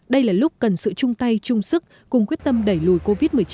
đây là lúc cần sự chung tay chung sức cùng quyết tâm đẩy lùi covid một mươi chín